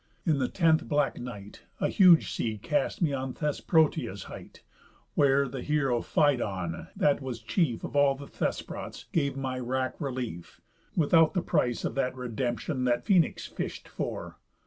In the tenth black night A huge sea cast me on Thesprotia's height, Where the heroë Phidon, that was chief Of all the Thesprots, gave my wrack relief, Without the price of that redemptión That Phœnix fish'd for.